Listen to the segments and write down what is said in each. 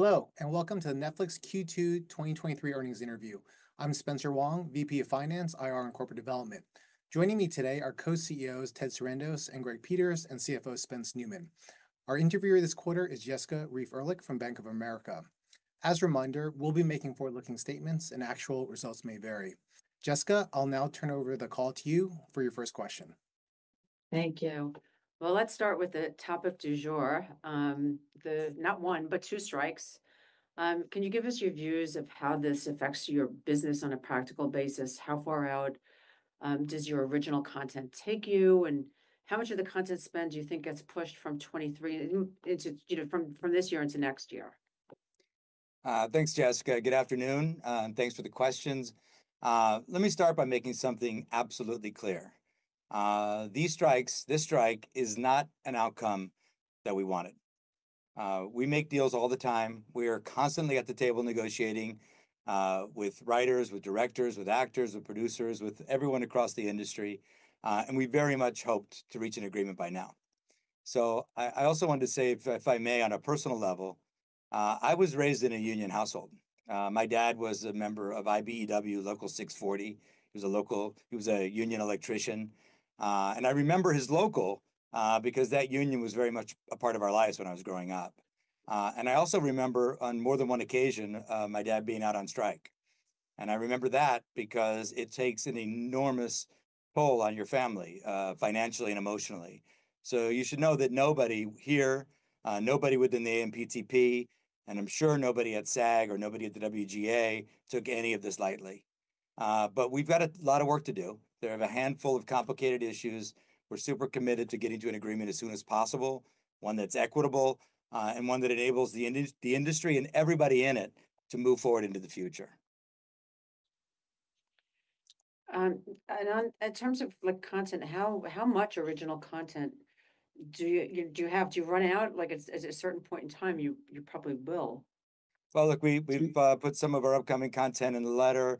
Hello, and welcome to the Netflix Q2 2023 earnings interview. I'm Spencer Wang, VP of Finance, IR, and Corporate Development. Joining me today are co-CEOs, Ted Sarandos and Greg Peters, and CFO, Spencer Neumann. Our interviewer this quarter is Jessica Reif Ehrlich from Bank of America. As a reminder, we'll be making forward-looking statements, and actual results may vary. Jessica, I'll now turn over the call to you for your first question. Thank you. Well, let's start with the topic du jour, the not one, but two strikes. Can you give us your views of how this affects your business on a practical basis? How far out does your original content take you, and how much of the content spend do you think gets pushed from 2023 into, you know, from this year into next year? Thanks, Jessica. Good afternoon, and thanks for the questions. Let me start by making something absolutely clear. This strike is not an outcome that we wanted. We make deals all the time. We are constantly at the table negotiating, with writers, with directors, with actors, with producers, with everyone across the industry, and we very much hoped to reach an agreement by now. I also wanted to say, if I may, on a personal level, I was raised in a union household. My dad was a member of IBEW Local 640. He was a union electrician. I remember his local because that union was very much a part of our lives when I was growing up. I also remember, on more than one occasion, my dad being out on strike, and I remember that because it takes an enormous toll on your family, financially and emotionally. You should know that nobody here, nobody within the AMPTP, and I'm sure nobody at SAG or nobody at the WGA, took any of this lightly. We've got a lot of work to do. There are a handful of complicated issues. We're super committed to getting to an agreement as soon as possible, one that's equitable, and one that enables the industry and everybody in it to move forward into the future. In terms of, like, content, how much original content do you have to run out? Like, at a certain point in time, you probably will. Look, we've put some of our upcoming content in the letter.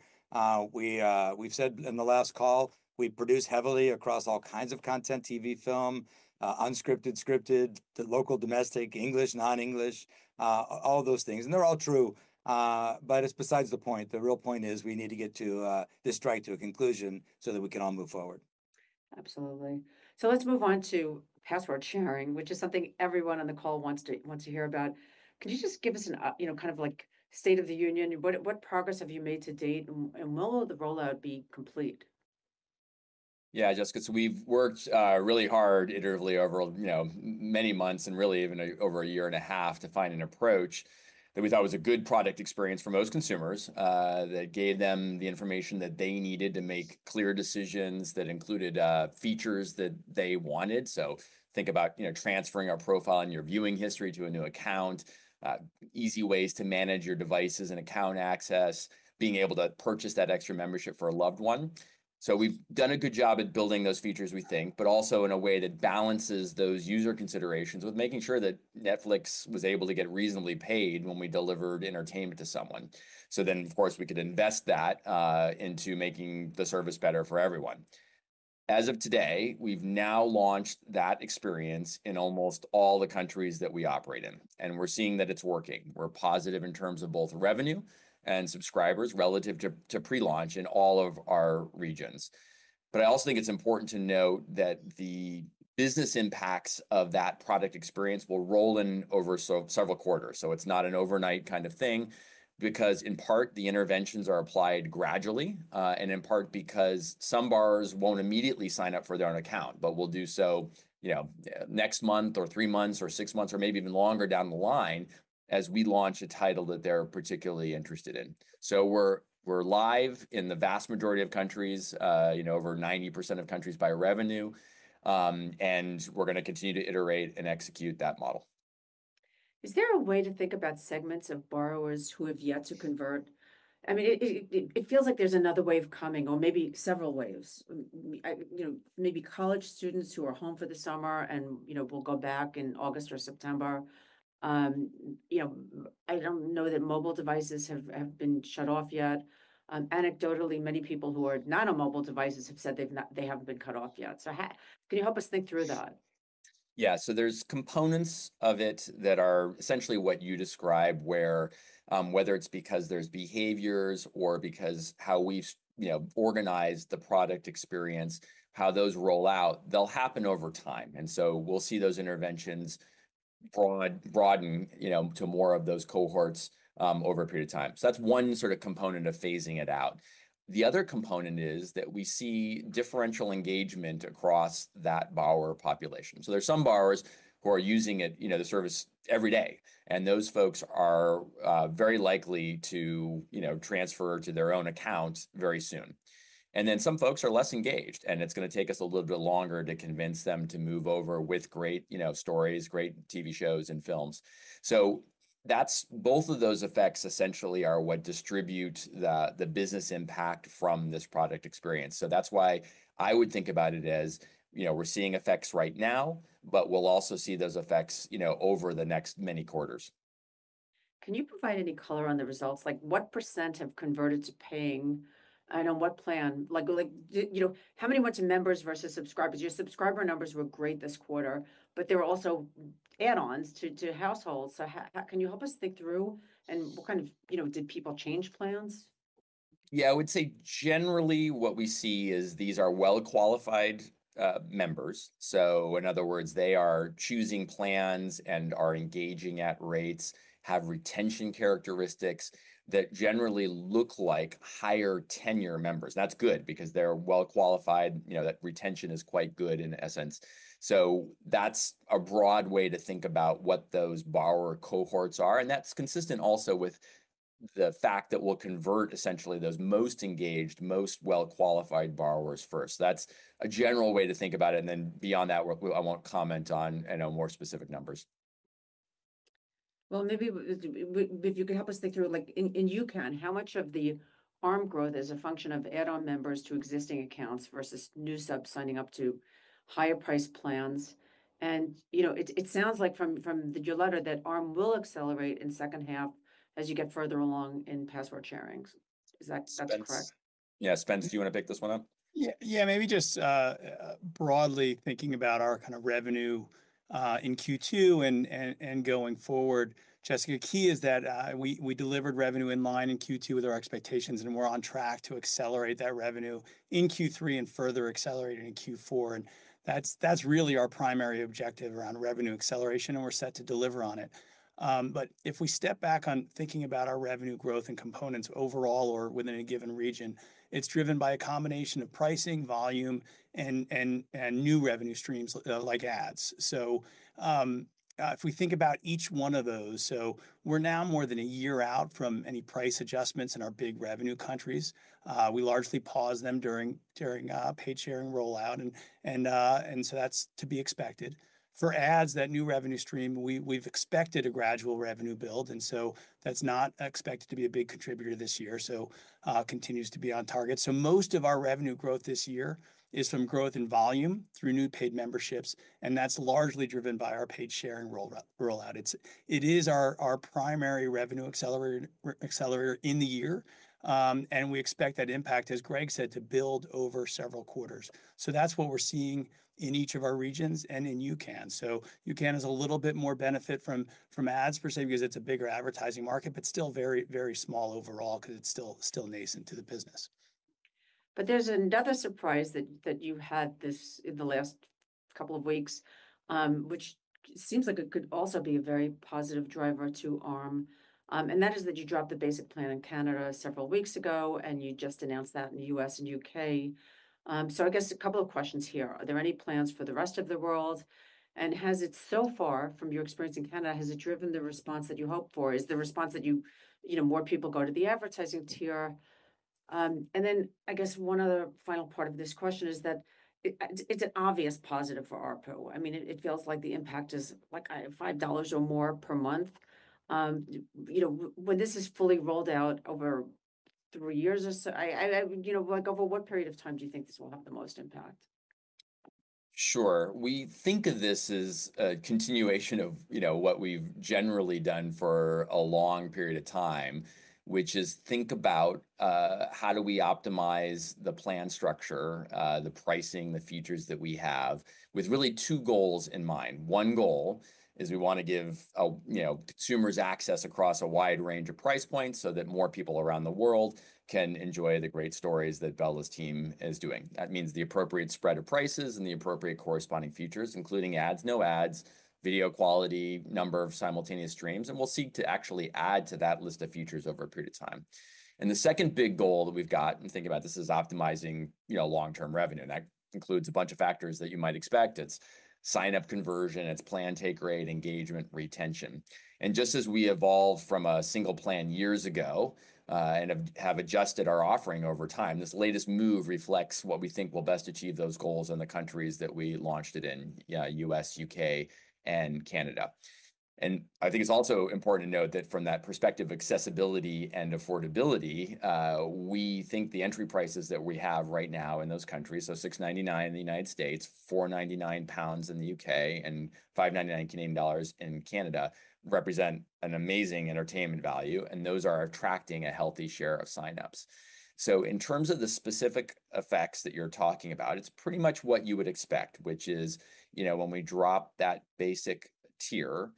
We've said in the last call, we produce heavily across all kinds of content: TV, film, unscripted, scripted, to local, domestic, English, non-English, all those things, and they're all true. It's besides the point. The real point is we need to get to this strike to a conclusion so that we can all move forward. Absolutely. Let's move on to password sharing, which is something everyone on the call wants to hear about. Could you just give us a you know, kind of like state of the union? What, what progress have you made to date, and when will the rollout be complete? Jessica, we've worked really hard iteratively over, you know, many months, and really even over a year and a half, to find an approach that we thought was a good product experience for most consumers. That gave them the information that they needed to make clear decisions, that included features that they wanted. Think about, you know, transferring a profile and your viewing history to a new account. Easy ways to manage your devices and account access. Being able to purchase that extra membership for a loved one. We've done a good job at building those features, we think, but also in a way that balances those user considerations with making sure that Netflix was able to get reasonably paid when we delivered entertainment to someone. Of course, we could invest that into making the service better for everyone. As of today, we've now launched that experience in almost all the countries that we operate in, and we're seeing that it's working. We're positive in terms of both revenue and subscribers relative to pre-launch in all of our regions. I also think it's important to note that the business impacts of that product experience will roll in over several quarters. It's not an overnight kind of thing because, in part, the interventions are applied gradually, and in part because some borrowers won't immediately sign up for their own account, but will do so, you know, next month, or three months, or six months, or maybe even longer down the line, as we launch a title that they're particularly interested in. We're live in the vast majority of countries, you know, over 90% of countries by revenue. We're gonna continue to iterate and execute that model. Is there a way to think about segments of borrowers who have yet to convert? I mean, it feels like there's another wave coming or maybe several waves. You know, maybe college students who are home for the summer and, you know, will go back in August or September. You know, I don't know that mobile devices have been shut off yet. Anecdotally, many people who are not on mobile devices have said they haven't been cut off yet. So how can you help us think through that? There's components of it that are essentially what you described, where, whether it's because there's behaviors or because how we've, you know, organized the product experience, how those roll out, they'll happen over time. We'll see those interventions broaden, you know, to more of those cohorts, over a period of time. That's one sort of component of phasing it out. The other component is that we see differential engagement across that borrower population. There are some borrowers who are using it, you know, the service every day, and those folks are very likely to, you know, transfer to their own accounts very soon. Some folks are less engaged, and it's gonna take us a little bit longer to convince them to move over with great, you know, stories, great TV shows, and films. Both of those effects, essentially, are what distribute the business impact from this product experience. That's why I would think about it as, you know, we're seeing effects right now, but we'll also see those effects, you know, over the next many quarters.... Can you provide any color on the results? Like, what % have converted to paying and on what plan? Like, you know, how many went to members versus subscribers? Your subscriber numbers were great this quarter, but there were also add-ons to households. So how can you help us think through, and what kind of, you know, did people change plans? Yeah, I would say generally what we see is these are well-qualified members. In other words, they are choosing plans and are engaging at rates, have retention characteristics that generally look like higher tenure members. That's good because they're well-qualified, you know, that retention is quite good in essence. That's a broad way to think about what those borrower cohorts are, and that's consistent also with the fact that we'll convert essentially those most engaged, most well-qualified borrowers first. That's a general way to think about it, and then beyond that, I won't comment on, you know, more specific numbers. Well, maybe if you could help us think through, like in UCAN, how much of the ARM growth is a function of add-on members to existing accounts versus new subs signing up to higher priced plans? You know, it sounds like from the July letter, that ARM will accelerate in second half as you get further along in password sharings. Is that correct? Spence. Yeah, Spence, do you want to pick this one up? Yeah. Yeah, maybe just, broadly thinking about our kind of revenue in Q2 and going forward, Jessica, key is that we delivered revenue in line in Q2 with our expectations, and we're on track to accelerate that revenue in Q3 and further accelerating in Q4. That's really our primary objective around revenue acceleration, and we're set to deliver on it. If we step back on thinking about our revenue growth and components overall or within a given region, it's driven by a combination of pricing, volume, and new revenue streams, like ads. If we think about each one of those, we're now more than a year out from any price adjustments in our big revenue countries. We largely paused them during paid sharing rollout, and so that's to be expected. For ads, that new revenue stream, we've expected a gradual revenue build, and so that's not expected to be a big contributor this year, so continues to be on target. Most of our revenue growth this year is from growth in volume through new paid memberships, and that's largely driven by our paid sharing rollout. It is our primary revenue accelerator in the year, and we expect that impact, as Greg said, to build over several quarters. That's what we're seeing in each of our regions and in UCAN. UCAN has a little bit more benefit from ads per se, because it's a bigger advertising market, but still very small overall because it's still nascent to the business. There's another surprise that you had this in the last couple of weeks, which seems like it could also be a very positive driver to ARM, and that is that you dropped the basic plan in Canada several weeks ago, and you just announced that in the U.S. and U.K. I guess a couple of questions here. Are there any plans for the rest of the world? Has it so far, from your experience in Canada, has it driven the response that you hoped for? Is the response that you know, more people go to the advertising tier? I guess one other final part of this question is that it's an obvious positive for ARPU. I mean, it feels like the impact is like, $5 or more per month. You know, when this is fully rolled out over three years or so, you know, like, over what period of time do you think this will have the most impact? Sure. We think of this as a continuation of, you know, what we've generally done for a long period of time, which is think about, how do we optimize the plan structure, the pricing, the features that we have, with really two goals in mind. One goal is we want to give a, you know, consumers access across a wide range of price points so that more people around the world can enjoy the great stories that Bela's team is doing. That means the appropriate spread of prices and the appropriate corresponding features, including ads, no ads, video quality, number of simultaneous streams, and we'll seek to actually add to that list of features over a period of time. The second big goal that we've got, and think about this, is optimizing, you know, long-term revenue, and that includes a bunch of factors that you might expect. It's sign-up conversion, it's plan take rate, engagement, retention. Just as we evolved from a single plan years ago, and have adjusted our offering over time, this latest move reflects what we think will best achieve those goals in the countries that we launched it in, U.S., U.K., and Canada. I think it's also important to note that from that perspective, accessibility and affordability, we think the entry prices that we have right now in those countries, so $6.99 in the United States, 4.99 pounds in the U.K., and 5.99 Canadian dollars in Canada, represent an amazing entertainment value, and those are attracting a healthy share of sign-ups. In terms of the specific effects that you're talking about, it's pretty much what you would expect, which is, you know, when we drop that basic tier,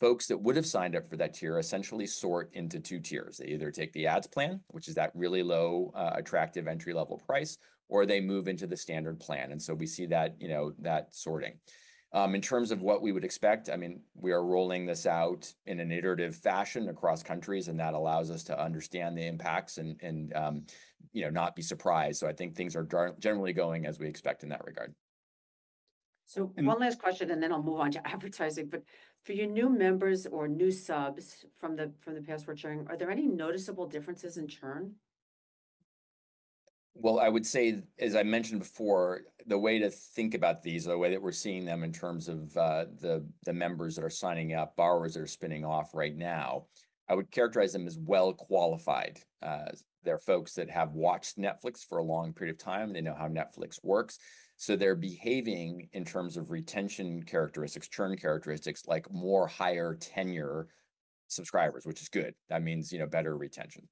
folks that would have signed up for that tier essentially sort into two tiers. They either take the ads plan, which is that really low, attractive entry-level price, or they move into the standard plan. We see that, you know, that sorting. In terms of what we would expect, I mean, we are rolling this out in an iterative fashion across countries, and that allows us to understand the impacts and, you know, not be surprised. I think things are generally going as we expect in that regard. One last question, and then I'll move on to advertising. For your new members or new subs from the, from the password sharing, are there any noticeable differences in churn? Well, I would say, as I mentioned before, the way to think about these, or the way that we're seeing them in terms of the members that are signing up, borrowers that are spinning off right now, I would characterize them as well qualified. They're folks that have watched Netflix for a long period of time. They know how Netflix works, so they're behaving in terms of retention characteristics, churn characteristics, like more higher tenure subscribers, which is good. That means, you know, better retention.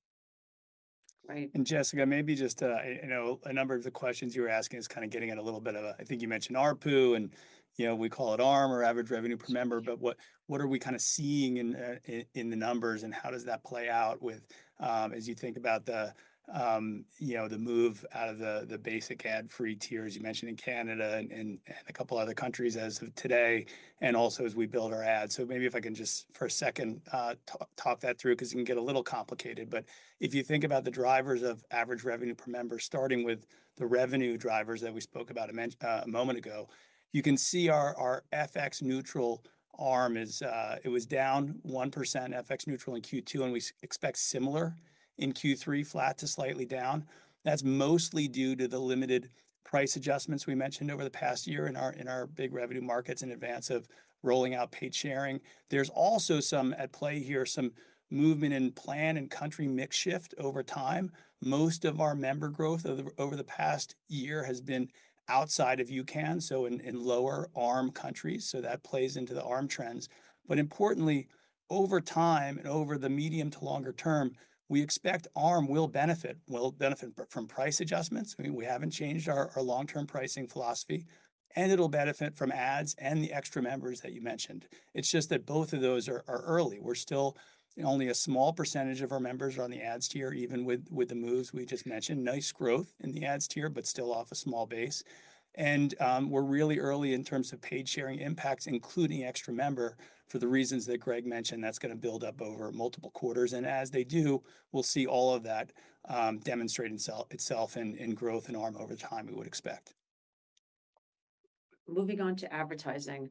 Jessica, maybe just, you know, a number of the questions you were asking is kind of getting at a little bit of a, I think you mentioned ARPU, and, you know, we call it ARM or Average Revenue per Membership. What are we kind of seeing in the numbers, and how does that play out with, as you think about the, you know, the move out of the basic ad-free tier, as you mentioned in Canada and a couple other countries as of today, and also as we build our ads? Maybe if I can just for a second talk that through, 'cause it can get a little complicated. If you think about the drivers of average revenue per member, starting with the revenue drivers that we spoke about a moment ago, you can see our FX neutral ARM is, it was down 1% FX neutral in Q2, and we expect similar in Q3, flat to slightly down. That's mostly due to the limited price adjustments we mentioned over the past year in our, in our big revenue markets in advance of rolling out paid sharing. There's also some at play here, some movement in plan and country mix shift over time. Most of our member growth over the past year has been outside of U.S., so in lower ARM countries, so that plays into the ARM trends. Importantly, over time and over the medium to longer term, we expect ARM will benefit from price adjustments. I mean, we haven't changed our long-term pricing philosophy, and it'll benefit from ads and the extra members that you mentioned. It's just that both of those are early. Only a small percentage of our members are on the ads tier, even with the moves we just mentioned. Nice growth in the ads tier, but still off a small base. We're really early in terms of paid sharing impacts, including extra member, for the reasons that Greg mentioned, that's gonna build up over multiple quarters. As they do, we'll see all of that demonstrating itself in growth and ARM over time, we would expect. Moving on to advertising,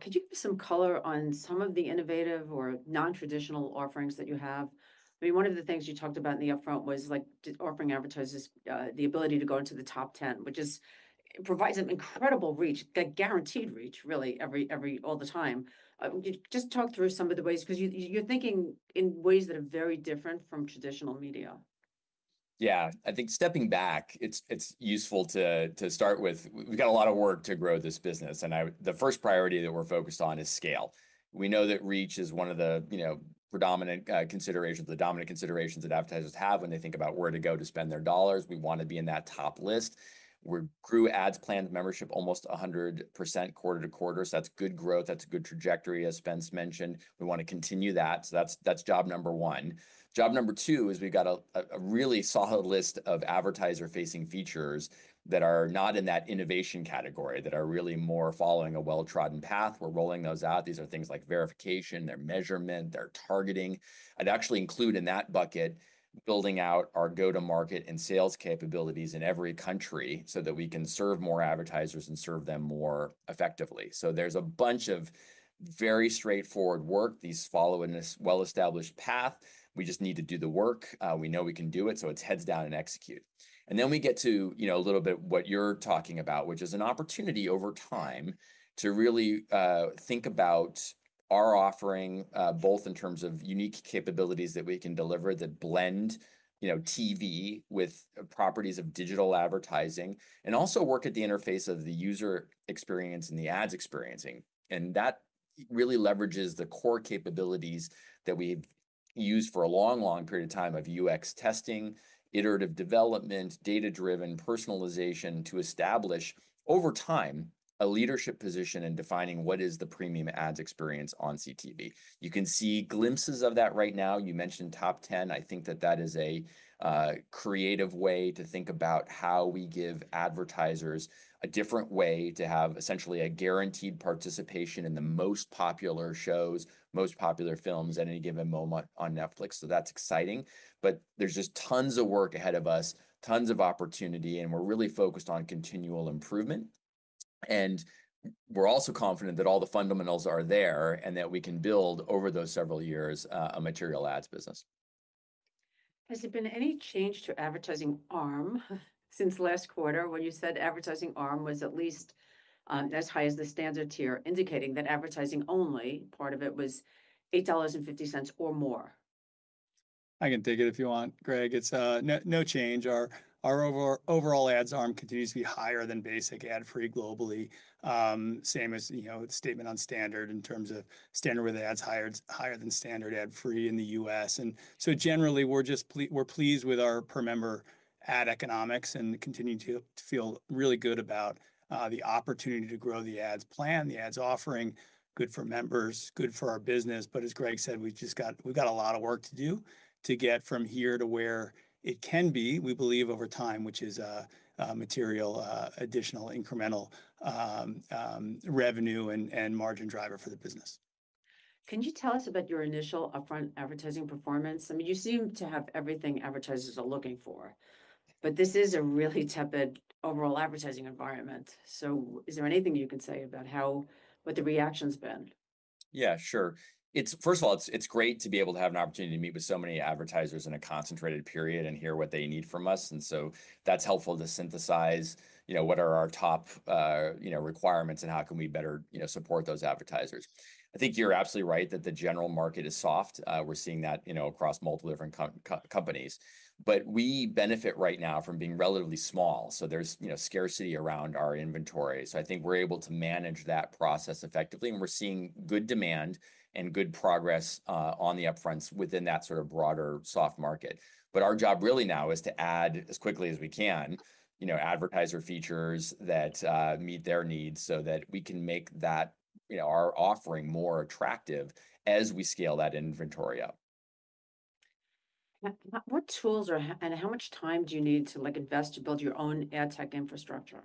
could you give some color on some of the innovative or non-traditional offerings that you have? I mean, one of the things you talked about in the upfront was, like, offering advertisers, the ability to go into the Top 10, which is... It provides an incredible reach, a guaranteed reach, really, every, all the time. Just talk through some of the ways, 'cause you're thinking in ways that are very different from traditional media. Yeah. I think stepping back, it's useful to start with, we've got a lot of work to grow this business. The first priority that we're focused on is scale. We know that reach is one of the, you know, predominant considerations, the dominant considerations that advertisers have when they think about where to go to spend their dollars. We want to be in that top list. We grew ads, planned membership, almost 100% quarter-to-quarter, that's good growth, that's a good trajectory, as Spence mentioned. We want to continue that. That's job number one. Job number two is we've got a really solid list of advertiser-facing features that are not in that innovation category, that are really more following a well-trodden path. We're rolling those out. These are things like verification, they're measurement, they're targeting. I'd actually include, in that bucket, building out our go-to-market and sales capabilities in every country so that we can serve more advertisers and serve them more effectively. There's a bunch of very straightforward work, these follow in this well-established path. We just need to do the work. We know we can do it, so it's heads down and execute. Then we get to, you know, a little bit what you're talking about, which is an opportunity over time, to really think about our offering, both in terms of unique capabilities that we can deliver that blend, you know, TV with properties of digital advertising, and also work at the interface of the user experience and the ads experiencing. That really leverages the core capabilities that we've used for a long, long period of time of UX testing, iterative development, data-driven personalization to establish, over time, a leadership position in defining what is the premium ads experience on CTV. You can see glimpses of that right now. You mentioned Top 10. I think that that is a creative way to think about how we give advertisers a different way to have, essentially, a guaranteed participation in the most popular shows, most popular films at any given moment on Netflix. That's exciting, but there's just tons of work ahead of us, tons of opportunity, and we're really focused on continual improvement. We're also confident that all the fundamentals are there, and that we can build, over those several years, a material ads business. Has there been any change to advertising ARM since last quarter, when you said advertising ARM was at least as high as the standard tier, indicating that advertising only, part of it was $8.50 or more? I can take it if you want, Greg. It's no change. Our overall ads ARM continues to be higher than basic ad-free globally. Same as, you know, the statement on standard in terms of standard, with ads higher than standard ad-free in the U.S. Generally, we're just pleased with our per-member ad economics and continue to feel really good about the opportunity to grow the ads plan, the ads offering. Good for members, good for our business. As Greg said, we've just got a lot of work to do to get from here to where it can be, we believe, over time, which is a material additional incremental revenue and margin driver for the business. Can you tell us about your initial upfront advertising performance? I mean, you seem to have everything advertisers are looking for, but this is a really tepid overall advertising environment. Is there anything you can say about what the reaction's been? Yeah, sure. It's, first of all, it's great to be able to have an opportunity to meet with so many advertisers in a concentrated period and hear what they need from us. That's helpful to synthesize, you know, what are our top, you know, requirements, and how can we better, you know, support those advertisers. I think you're absolutely right that the general market is soft. We're seeing that, you know, across multiple different companies. We benefit right now from being relatively small, so there's, you know, scarcity around our inventory. I think we're able to manage that process effectively, and we're seeing good demand and good progress on the upfronts within that sort of broader soft market. Our job really now is to add, as quickly as we can, you know, advertiser features that meet their needs so that we can make that, you know, our offering more attractive as we scale that inventory up.... What tools are and how much time do you need to, like, invest to build your own ad tech infrastructure?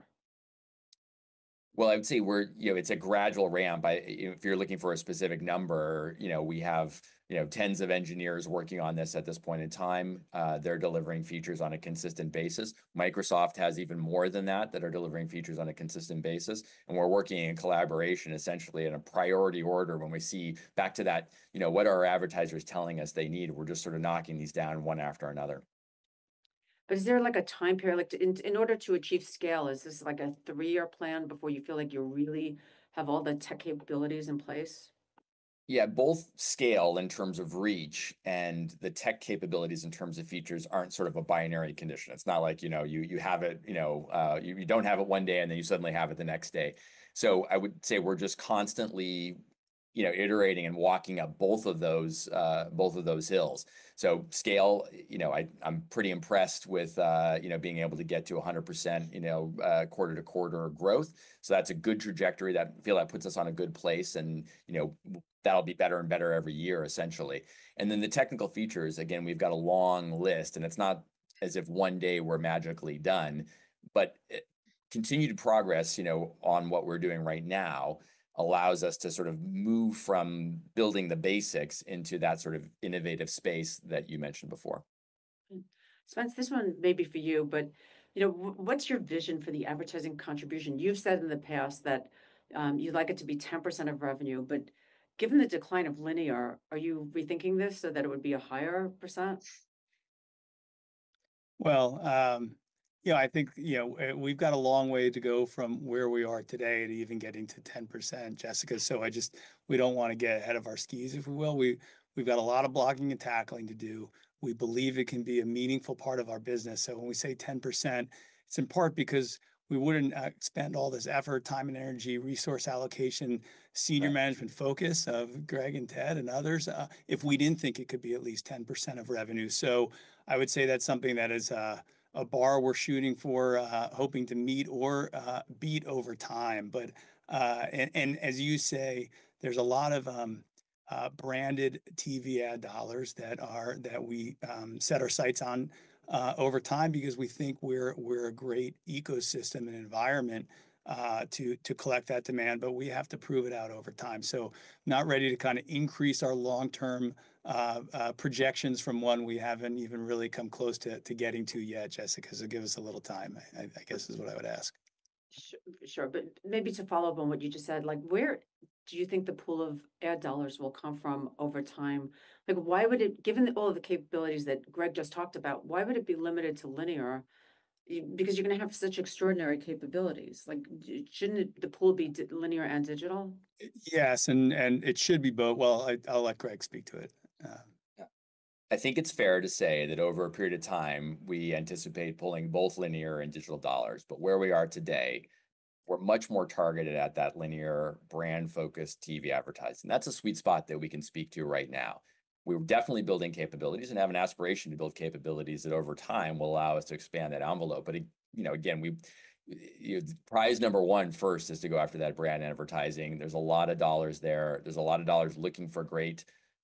Well, I would say we're, you know, it's a gradual ramp. I, you know, if you're looking for a specific number, you know, we have, you know, tens of engineers working on this at this point in time. They're delivering features on a consistent basis. Microsoft has even more than that are delivering features on a consistent basis, and we're working in collaboration, essentially in a priority order when we see back to that, you know, what are our advertisers telling us they need? We're just sort of knocking these down one after another. Is there, like, a time period, like, in order to achieve scale, is this, like, a three-year plan before you feel like you really have all the tech capabilities in place? Yeah, both scale in terms of reach and the tech capabilities in terms of features aren't sort of a binary condition. It's not like, you know, you don't have it one day and then you suddenly have it the next day. I would say we're just constantly, you know, iterating and walking up both of those, both of those hills. Scale, you know, I'm pretty impressed with, you know, being able to get to 100%, you know, quarter-to-quarter growth. That's a good trajectory, that, I feel that puts us on a good place and, you know, that'll be better and better every year, essentially. The technical features, again, we've got a long list, and it's not as if one day we're magically done, but continued progress, you know, on what we're doing right now, allows us to sort of move from building the basics into that sort of innovative space that you mentioned before. Spence, this one may be for you know, what's your vision for the advertising contribution? You've said in the past that you'd like it to be 10% of revenue, given the decline of linear, are you rethinking this so that it would be a higher percent? Well, you know, I think, you know, we've got a long way to go from where we are today to even getting to 10%, Jessica. We don't want to get ahead of our skis, if we will. We've got a lot of blocking and tackling to do. We believe it can be a meaningful part of our business. When we say 10%, it's in part because we wouldn't spend all this effort, time and energy, resource allocation- Right. Senior management focus of Greg and Ted and others, if we didn't think it could be at least 10% of revenue. I would say that's something that is a bar we're shooting for, hoping to meet or beat over time. And as you say, there's a lot of branded TV ad dollars that are, that we set our sights on over time because we think we're a great ecosystem and environment to collect that demand, but we have to prove it out over time. Not ready to kind of increase our long-term projections from one we haven't even really come close to getting to yet, Jessica. Give us a little time, I guess is what I would ask. Sure, sure. Maybe to follow up on what you just said, like, where do you think the pool of ad dollars will come from over time? Given all of the capabilities that Greg just talked about, why would it be limited to linear? Because you're gonna have such extraordinary capabilities, like, shouldn't the pool be linear and digital? Yes, and it should be both. Well, I'll let Greg speak to it. Yeah. I think it's fair to say that over a period of time, we anticipate pulling both linear and digital dollars. Where we are today, we're much more targeted at that linear, brand-focused TV advertising, and that's a sweet spot that we can speak to right now. We're definitely building capabilities and have an aspiration to build capabilities that over time will allow us to expand that envelope. You know, again, Prize number one first is to go after that brand advertising. There's a lot of dollars there. There's a lot of dollars looking for great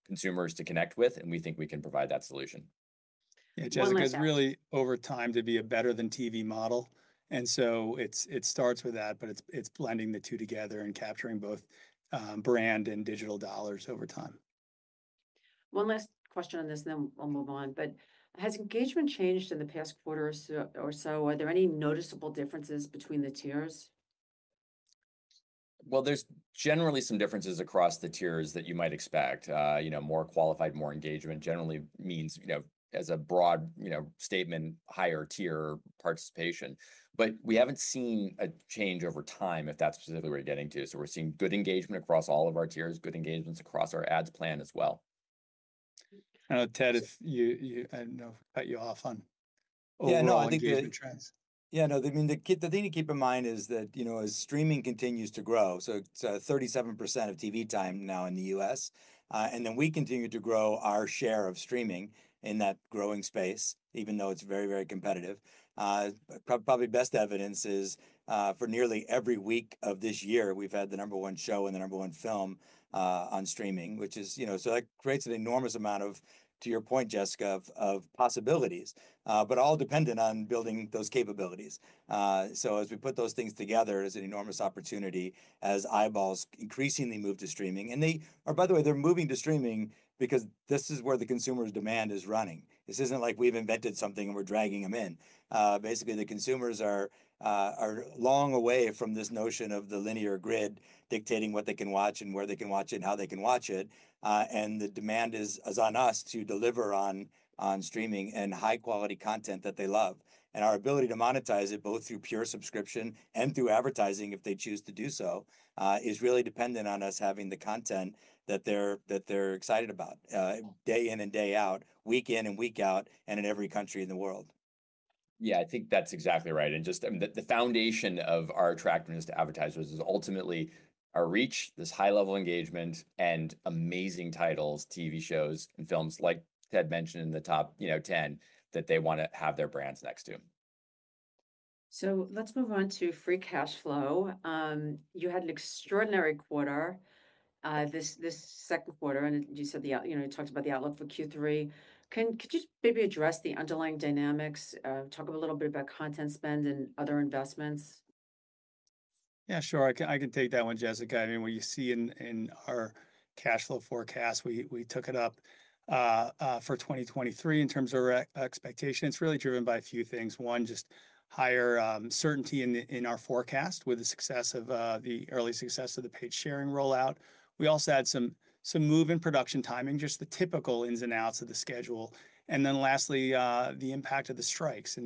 consumers to connect with, and we think we can provide that solution. Yeah, Jessica- One last-... There's really, over time, to be a better-than-TV model, and so it's, it starts with that, but it's blending the two together and capturing both, brand and digital dollars over time. One last question on this, and then we'll move on. Has engagement changed in the past quarter or so? Are there any noticeable differences between the tiers? There's generally some differences across the tiers that you might expect. you know, more qualified, more engagement generally means, you know, as a broad, you know, statement, higher tier participation. We haven't seen a change over time, if that's specifically what you're getting to. We're seeing good engagement across all of our tiers, good engagements across our ads plan as well. Ted, if you, I don't know, cut you off. Yeah, no, I think. Overall engagement trends. Yeah, no, I mean, the thing to keep in mind is that, you know, as streaming continues to grow, so 37% of TV time now in the U.S., and then we continue to grow our share of streaming in that growing space, even though it's very, very competitive. Probably best evidence is for nearly every week of this year, we've had the number one show and the number one film on streaming, which is, you know. That creates an enormous amount of, to your point, Jessica, of possibilities, but all dependent on building those capabilities. As we put those things together, there's an enormous opportunity as eyeballs increasingly move to streaming. Oh, by the way, they're moving to streaming because this is where the consumers' demand is running. This isn't like we've invented something and we're dragging them in. Basically, the consumers are long away from this notion of the linear grid dictating what they can watch and where they can watch and how they can watch it. The demand is on us to deliver on streaming and high-quality content that they love. Our ability to monetize it, both through pure subscription and through advertising, if they choose to do so, is really dependent on us having the content that they're excited about, day in and day out, week in and week out, and in every country in the world. Yeah, I think that's exactly right. The foundation of our attractiveness to advertisers is ultimately our reach, this high level of engagement, and amazing titles, TV shows, and films like Ted mentioned, in the Top 10, that they want to have their brands next to. Let's move on to free cash flow. You had an extraordinary quarter, this second quarter, and you said, you know, you talked about the outlook for Q3. Could you maybe address the underlying dynamics, talk a little bit about content spend and other investments? Yeah, sure, I can take that one, Jessica. I mean, what you see in our cash flow forecast, we took it up for 2023 in terms of our expectation. It's really driven by a few things. One, just higher certainty in our forecast with the success of the early success of the paid sharing rollout. We also had some move in production timing, just the typical ins and outs of the schedule, and then lastly, the impact of the strikes.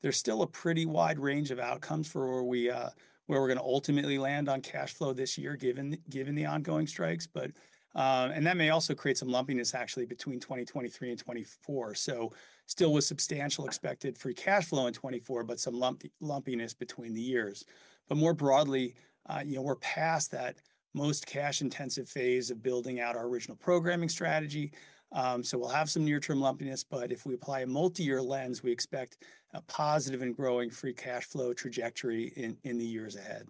There's still a pretty wide range of outcomes for where we're gonna ultimately land on cash flow this year, given the ongoing strikes, but. That may also create some lumpiness, actually, between 2023 and 2024. Still with substantial expected free cash flow in 2024, but some lumpiness between the years. More broadly, you know, we're past that most cash-intensive phase of building out our original programming strategy. We'll have some near-term lumpiness, but if we apply a multi-year lens, we expect a positive and growing free cash flow trajectory in the years ahead.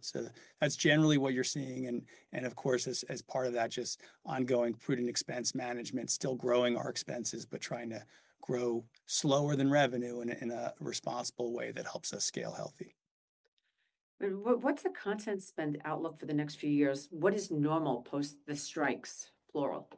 That's generally what you're seeing, and of course, as part of that, just ongoing prudent expense management, still growing our expenses, but trying to grow slower than revenue in a responsible way that helps us scale healthy. What's the content spend outlook for the next few years? What is normal post the strikes, plural?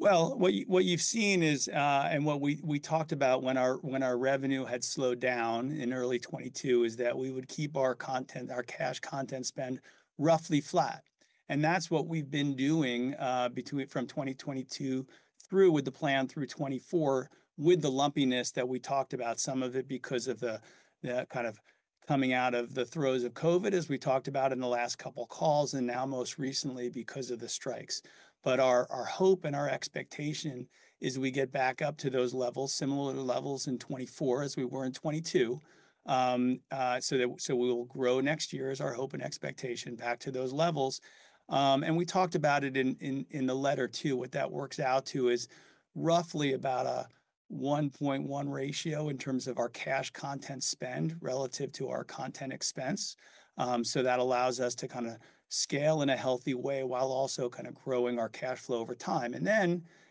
Well, what you've seen is, and what we talked about when our revenue had slowed down in early 2022, is that we would keep our content, our cash content spend roughly flat. That's what we've been doing, between from 2022 through with the plan through 2024, with the lumpiness that we talked about. Some of it because of the kind of coming out of the throes of COVID, as we talked about in the last couple calls, and now most recently because of the Strikes. Our hope and our expectation is we get back up to those levels, similar levels in 2024 as we were in 2022. That, so we will grow next year is our hope and expectation back to those levels. We talked about it in the letter, too. What that works out to is roughly about a 1.1 ratio in terms of our cash content spend relative to our content expense. So that allows us to kind of scale in a healthy way while also kind of growing our cash flow over time.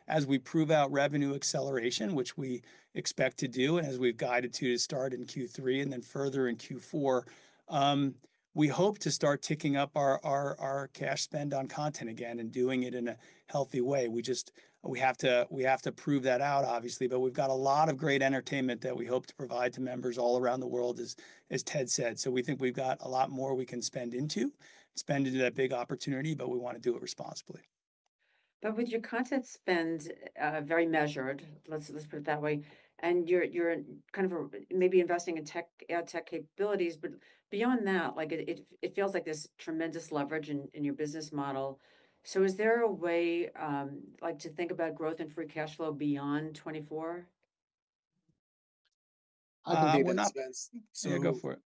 As we prove out revenue acceleration, which we expect to do as we've guided to start in Q3 and then further in Q4, we hope to start ticking up our cash spend on content again and doing it in a healthy way. We have to prove that out, obviously, but we've got a lot of great entertainment that we hope to provide to members all around the world, as Ted said. We think we've got a lot more we can spend into that big opportunity, but we want to do it responsibly. With your content spend, very measured, let's put it that way, and you're kind of a maybe investing in tech, ad tech capabilities, but beyond that, like, it feels like there's tremendous leverage in your business model. Is there a way, like, to think about growth and free cash flow beyond 24? I can take that, Spence. Yeah, go for it.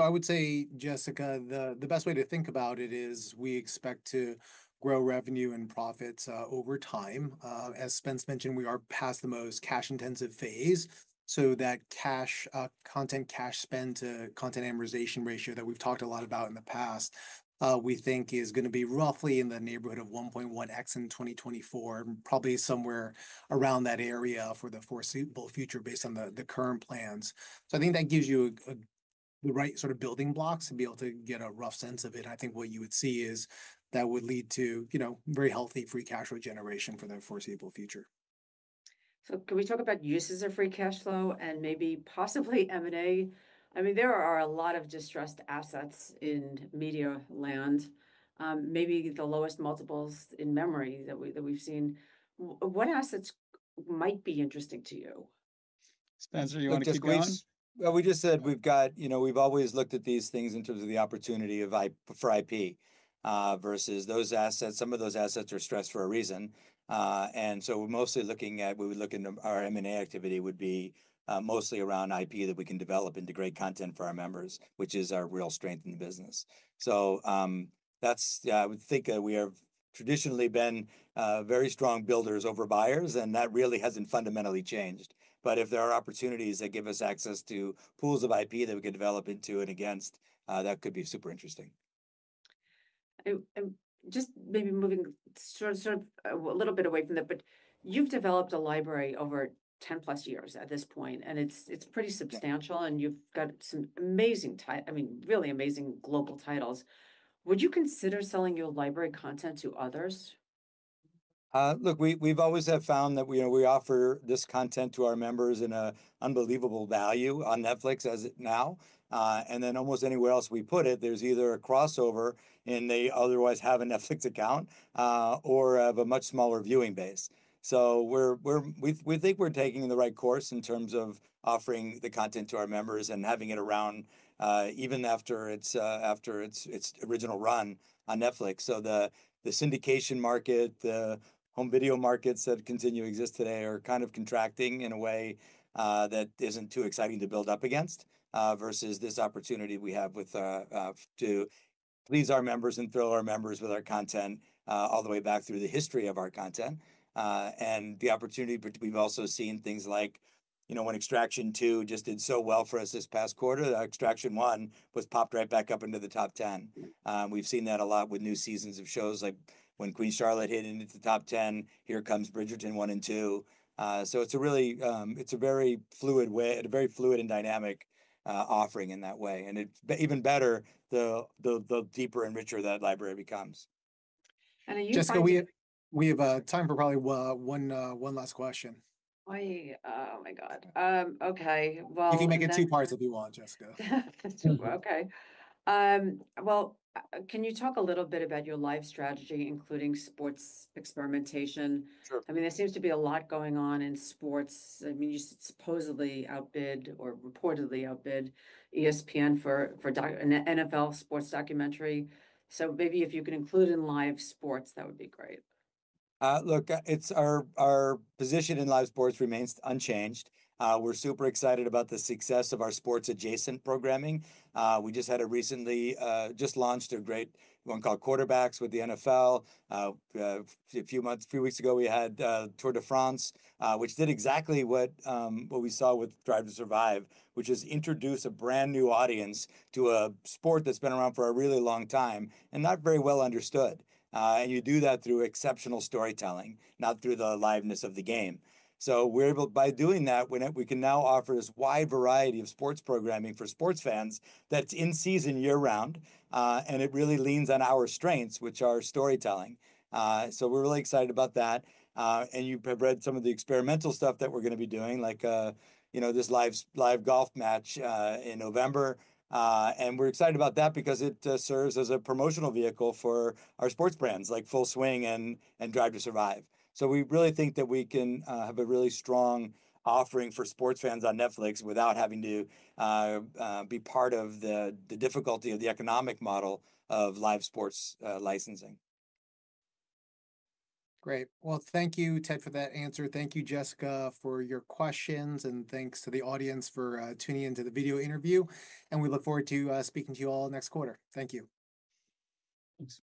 I would say, Jessica, the best way to think about it is we expect to grow revenue and profits over time. As Spence mentioned, we are past the most cash-intensive phase, so that cash content cash spend to content amortization ratio that we've talked a lot about in the past, we think is gonna be roughly in the neighborhood of 1.1x in 2024, probably somewhere around that area for the foreseeable future, based on the current plans. I think that gives you a right sort of building blocks to be able to get a rough sense of it. I think what you would see is that would lead to, you know, very healthy free cash flow generation for the foreseeable future. Can we talk about uses of free cash flow and maybe possibly M&A? I mean, there are a lot of distressed assets in media land, maybe the lowest multiples in memory that we've seen. What assets might be interesting to you? Spencer, you want to keep going? Well, we just said we've got. You know, we've always looked at these things in terms of the opportunity of IP, for IP, versus those assets. Some of those assets are stressed for a reason. We're mostly looking at, we would look into our M&A activity would be mostly around IP that we can develop into great content for our members, which is our real strength in the business. That's, I would think that we have traditionally been very strong builders over buyers, and that really hasn't fundamentally changed. If there are opportunities that give us access to pools of IP that we could develop into and against, that could be super interesting. Just maybe moving sort of a little bit away from that, but you've developed a library over 10+ years at this point, and it's pretty substantial, and you've got some amazing, I mean, really amazing global titles. Would you consider selling your library content to others? Look, we've always have found that, you know, we offer this content to our members in a unbelievable value on Netflix as it now. Almost anywhere else we put it, there's either a crossover and they otherwise have a Netflix account, or of a much smaller viewing base. We're, we think we're taking the right course in terms of offering the content to our members and having it around, even after its original run on Netflix. The, the syndication market, the home video markets that continue to exist today are kind of contracting in a way, that isn't too exciting to build up against, versus this opportunity we have with,... Please our members and thrill our members with our content, all the way back through the history of our content. The opportunity, we've also seen things like, you know, when Extraction 2 just did so well for us this past quarter, Extraction 1 was popped right back up into the Top 10. We've seen that a lot with new seasons of shows, like when Queen Charlotte hit into the Top 10, here comes Bridgerton 1 and 2. It's a really, it's a very fluid and dynamic offering in that way, and it's even better the deeper and richer that library becomes. Are you- Jessica, we have time for probably one last question. I, oh, my God. Okay. You can make it two parts if you want, Jessica. Two, okay. Well, can you talk a little bit about your live strategy, including sports experimentation? Sure. I mean, there seems to be a lot going on in sports. I mean, you supposedly outbid or reportedly outbid ESPN for an NFL sports documentary. Maybe if you could include in live sports, that would be great? It's our position in live sports remains unchanged. We're super excited about the success of our sports-adjacent programming. We just launched a great one called Quarterbacks with the NFL. A few months, few weeks ago, we had Tour de France, which did exactly what we saw with Drive to Survive, which is introduce a brand-new audience to a sport that's been around for a really long time and not very well understood. You do that through exceptional storytelling, not through the liveness of the game. We're able, by doing that, we can now offer this wide variety of sports programming for sports fans that's in season year-round, it really leans on our strengths, which are storytelling. We're really excited about that. You have read some of the experimental stuff that we're gonna be doing, like, you know, this live golf match in November. We're excited about that because it serves as a promotional vehicle for our sports brands, like Full Swing and Drive to Survive. We really think that we can have a really strong offering for sports fans on Netflix without having to be part of the difficulty of the economic model of live sports licensing. Great. Well, thank you, Ted, for that answer. Thank you, Jessica, for your questions. Thanks to the audience for tuning in to the video interview. We look forward to speaking to you all next quarter. Thank you. Thanks.